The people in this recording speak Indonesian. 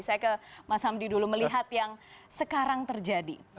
saya ke mas hamdi dulu melihat yang sekarang terjadi